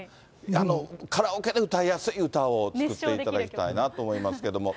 カラオケで歌いやすい歌を作っていただきたいなと思いますけど。